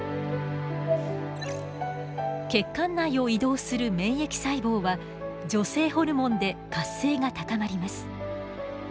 血管内を移動する免疫細胞は女性ホルモンで活性が高まります。